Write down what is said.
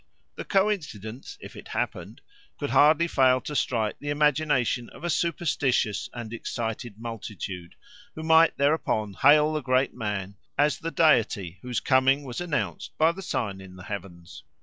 The coincidence, if it happened, could hardly fail to strike the imagination of a superstitious and excited multitude, who might thereupon hail the great man as the deity whose coming was announced by the sign in the heavens.